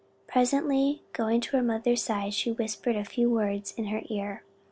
Presently going to her mother's side, she whispered a few words in her ear.